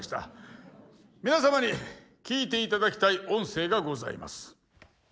皆様に聞いて頂きたい音声がございます。